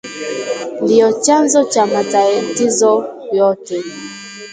ndiyo chanzo cha matatizo yote